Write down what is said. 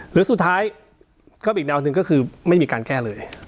หรือสุดท้ายก็อีกแนวหนึ่งก็คือไม่มีการแก้เลย